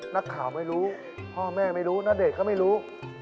นักข่าวไม่รู้พ่อแม่ไม่รู้ณเดชน์ก็ไม่รู้